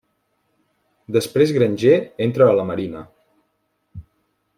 Després Granger entra a la marina.